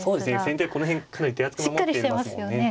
先手はこの辺かなり手厚く守ってますもんね。